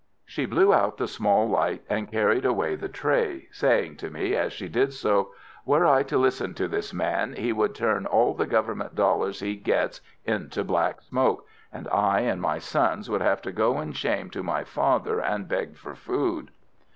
She blew out the small light and carried away the tray, saying to me as she did so: "Were I to listen to this man he would turn all the Government dollars he gets into black smoke, and I and my sons would have to go in shame to my father and beg for food."